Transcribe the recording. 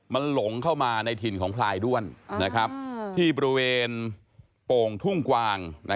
มันหลงเข้ามาในถิ่นของพลายด้วนที่บริเวณโป่งทุ่งกวาง